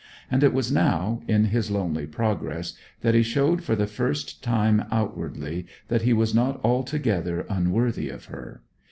And it was now, in his lonely progress, that he showed for the first time outwardly that he was not altogether unworthy of her.